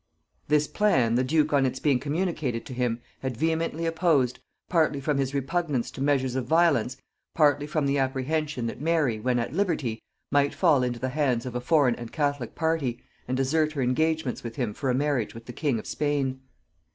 This plan the duke on its being communicated to him had vehemently opposed, partly from his repugnance to measures of violence, partly from the apprehension that Mary, when at liberty, might fall into the hands of a foreign and catholic party, and desert her engagements with him for a marriage with the king of Spain.